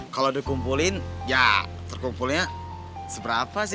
kalau dikumpulin ya terkumpulnya seberapa sih